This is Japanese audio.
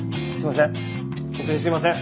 すいません！